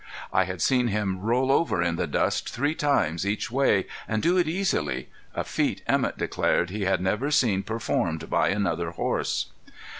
I had seen him roll over in the dust three times each way, and do it easily a feat Emett declared he had never seen performed by another horse.